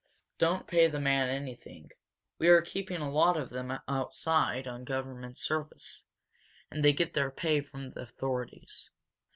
Don't pay the man anything; we are keeping a lot of them outside on government service, and they get their pay from the authorities."